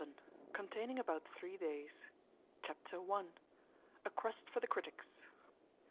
CONTAINING ABOUT THREE DAYS. Chapter i. A crust for the critics.